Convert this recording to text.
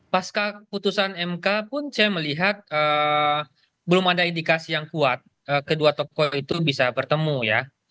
pasca keputusan mk pun saya melihat belum ada indikasi yang kuat kedua tokoh itu bisa bertemu ya